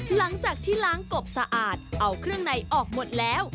หลังจากที่ล้างกบสะอาดเอาเครื่องในออกหมดแล้ว